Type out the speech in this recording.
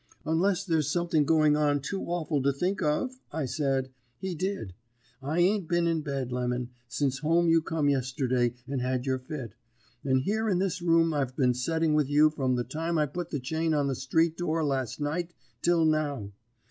"'Unless there's something going on too awful to think of,' I said, 'he did. I ain't been in bed, Lemon, since home you come yesterday and had your fit. And here in this room I've been setting with you from the time I put the chain on the street door last night till now.